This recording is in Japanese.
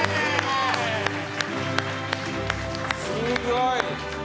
すごい。